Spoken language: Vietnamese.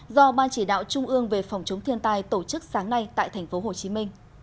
do ban chỉ đạo trung ương về phòng chống thiên tai tổ chức sáng nay tại tp hcm